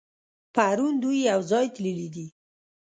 پرون دوی يوځای تللي دي.